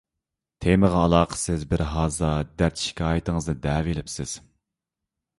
تېمىغا ئالاقىسىز بىرھازا دەرد - شىكايىتىڭىزنى دەۋېلىپسىز.